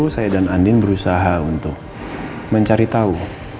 saya dan andin berusaha untuk mencari tahu